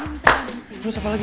terus apa lagi